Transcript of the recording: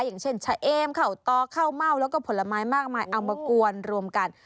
อย่างเช่นชะเอมเข่าต่อข้าวเม่าแล้วก็ผลไม้มากมายเอามากวนรวมกัน